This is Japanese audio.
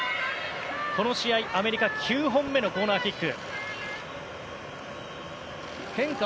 この試合、アメリカ９本目のコーナーキック。